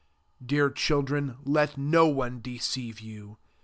7 Dear children, let no one deceive you.